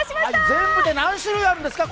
全部で何種類あるんですか？